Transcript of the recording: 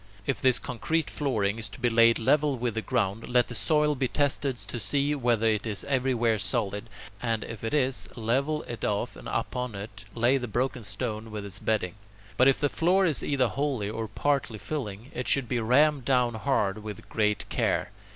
If this concrete flooring is to be laid level with the ground, let the soil be tested to see whether it is everywhere solid, and if it is, level it off and upon it lay the broken stone with its bedding. But if the floor is either wholly or partly filling, it should be rammed down hard with great care.